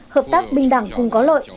hợp tác bình đẳng cùng có lội